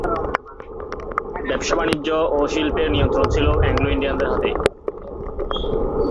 ব্যবসা-বাণিজ্য ও শিল্পের নিয়ন্ত্রণ ছিল অ্যাংলো-ইন্ডিয়ানদের হাতে।